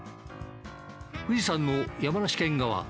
富士山の山梨県側